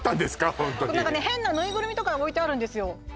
ホントに変なぬいぐるみとか置いてあるんですよ